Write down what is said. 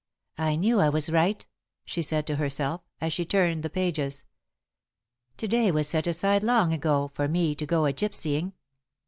"I knew I was right," she said to herself, as she turned the pages. "To day was set aside, long ago, for me to go a gypsying."